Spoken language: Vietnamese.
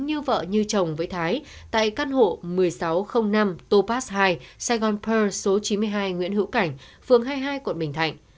với vợ như chồng với thái tại căn hộ một nghìn sáu trăm linh năm topaz hai saigon pearl số chín mươi hai nguyễn hữu cảnh phường hai mươi hai quận bình thạnh